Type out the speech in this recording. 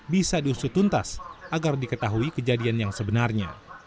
bisa diusutuntas agar diketahui kejadian yang sebenarnya